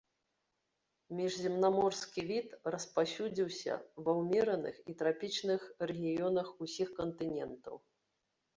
Міжземнаморскі від, распаўсюдзіўся ва ўмераных і трапічных рэгіёнах ўсіх кантынентаў.